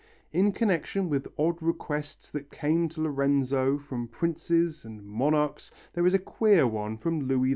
In connection with odd requests that came to Lorenzo from princes and monarchs there is a queer one from Louis XI.